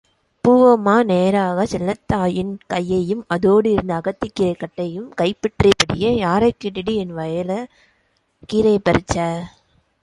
பூவம்மா, நேராக செல்லாத்தாவின் கையையும் அதோடு இருந்த அகத்திக்கீரைக் கட்டையும் கைப்பற்றியபடியே, யாரைக்கேட்டுடி என் வயலுல கீரை பறிச்சே?